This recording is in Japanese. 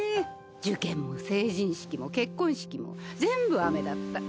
受験も成人式も結婚式も全部雨だった。